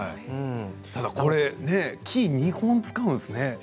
ただ木を２本使うんですね。